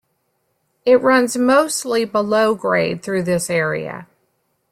It runs mostly below grade through this area.